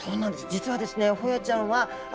実はですね